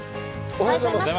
おはようございます。